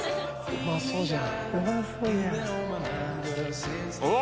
うまそうじゃん！うわ！